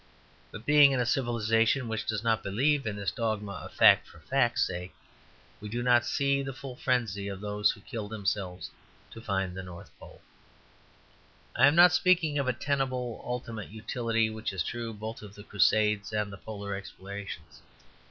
But being in a civilization which does believe in this dogma of fact for facts' sake, we do not see the full frenzy of those who kill themselves to find the North Pole. I am not speaking of a tenable ultimate utility which is true both of the Crusades and the polar explorations.